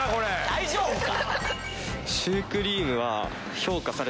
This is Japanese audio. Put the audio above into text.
・大丈夫か？